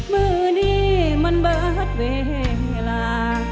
มือนี้มันเบิดเวลา